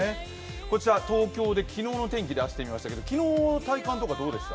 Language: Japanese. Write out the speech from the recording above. こちら、東京で昨日の天気、出してみましたけど昨日の天気どうでした？